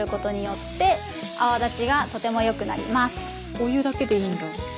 お湯だけでいいんだ。